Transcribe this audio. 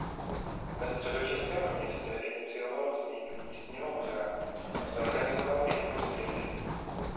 Ve středočeském městě inicioval vznik místního muzea a zorganizoval i jeho sbírky.